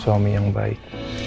suami yang baik